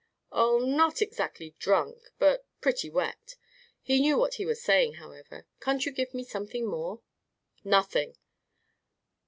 "Oh, not exactly drunk, but pretty wet. He knew what he was saying, however. Can't you give me something more?" "Nothing."